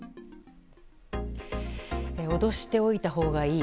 脅しておいたほうがいい。